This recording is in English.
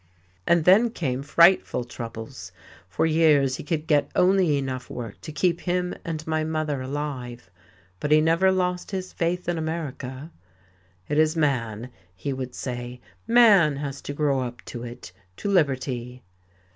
"And then came frightful troubles. For years he could get only enough work to keep him and my mother alive, but he never lost his faith in America. 'It is man,' he would say, 'man has to grow up to it to liberty.'